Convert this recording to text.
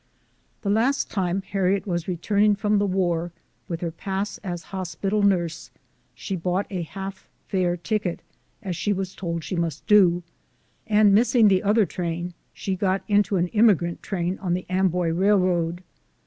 The last time Harriet was returning from the war, with her pass as hospital nurse, she bought a half fare ticket, as she was told she must do ; and missing the other train, she got into an emigrant train on the Amboy Railroad.